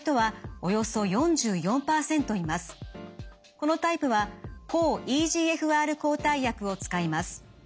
このタイプは抗ＥＧＦＲ抗体薬を使います。